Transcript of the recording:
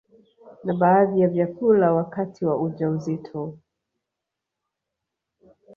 na baadhi ya vyakula wakati wa ujauzito